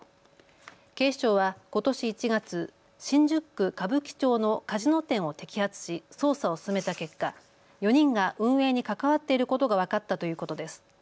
警視庁はことし１月、新宿区歌舞伎町のカジノ店を摘発し捜査を進めた結果、４人が運営に関わっていることが分かったということです。